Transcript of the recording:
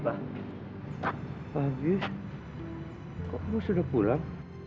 pak abis kok lu sudah pulang